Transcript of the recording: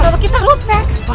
salah kita rusak